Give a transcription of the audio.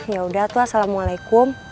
ya udah tua assalamualaikum